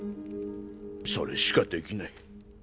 それしかできない。